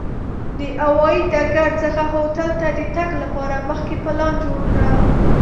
د هوایي ډګر څخه هوټل ته د تګ لپاره مخکې پلان جوړ کړه.